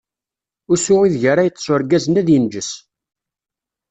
Usu ideg ara yeṭṭeṣ urgaz-nni ad inǧes.